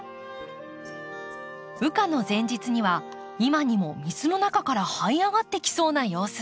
羽化の前日には今にも水の中からはい上がってきそうな様子。